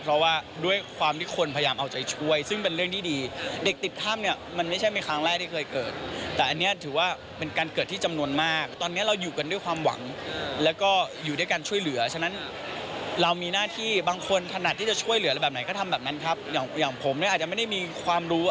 ก็ให้ข้อมูลที่ถูกต้องหรือสิ่งที่เขาขาด